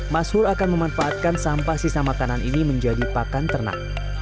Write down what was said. mas hul akan memanfaatkan sampah sisa makanan ini menjadi pakan ternak